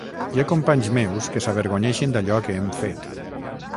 Hi ha companys meus que s’avergonyeixen d’allò que hem fet.